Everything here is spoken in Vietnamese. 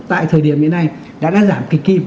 tại thời điểm hiện nay đã giảm kịch kịp